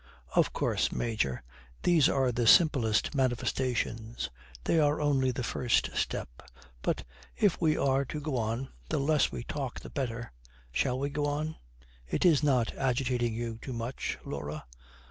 'Of course, Major, these are the simplest manifestations. They are only the first step. But if we are to go on, the less we talk the better. Shall we go on? It is not agitating you too much, Laura?'